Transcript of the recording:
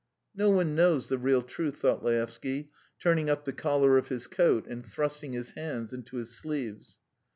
"No one knows the real truth," thought Laevsky, turning up the collar of his coat and thrusting his hands into his sleeves.